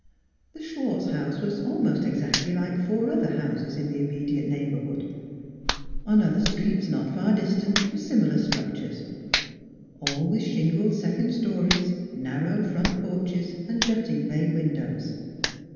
The Schwartz house was almost exactly like four other houses in the immediate neighborhood; on other streets not far distant were similar struc tures all with shingled second stories, narrow front porches, and jutting bay windows.